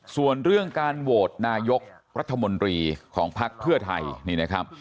ส่วนเรื่องการโหวตนายกรัฐมนตรีของภักดิ์เพื่อไทยนี่นะครับ